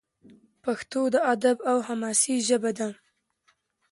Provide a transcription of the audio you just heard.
پښتو د ادب او حماسې ژبه ده.